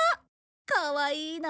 かわいいな。